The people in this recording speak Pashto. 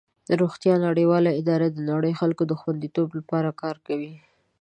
روغتیا نړیواله اداره د نړۍ د خلکو د خوندیتوب لپاره کار کوي.